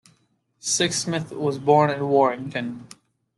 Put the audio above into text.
Sixsmith was born in Warrington.